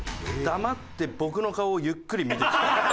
黙って僕の顔をゆっくり見てきたり。